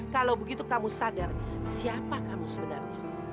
kalau begitu kamu sadar siapa kamu sebenarnya